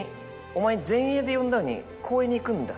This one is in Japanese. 「お前前衛で呼んだのに後衛に行くんだ？」